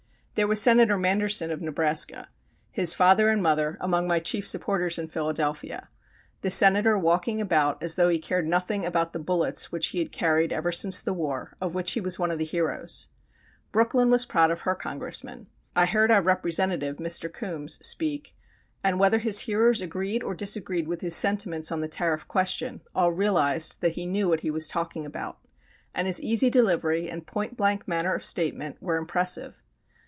There was Senator Manderson of Nebraska, his father and mother among my chief supporters in Philadelphia, the Senator walking about as though he cared nothing about the bullets which he had carried ever since the war, of which he was one of the heroes. Brooklyn was proud of her Congressmen. I heard our representative, Mr. Coombs, speak, and whether his hearers agreed or disagreed with his sentiments on the tariff question, all realised that he knew what he was talking about, and his easy delivery and point blank manner of statement were impressive.